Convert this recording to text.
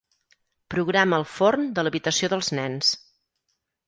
Programa el forn de l'habitació dels nens.